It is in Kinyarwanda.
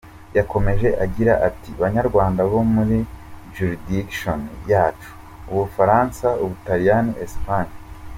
Yakomeje agira ati “ Banyarwanda bo muri ‘Juridiction’ yacu: u Bufaransa, u Butaliyani, Espagne.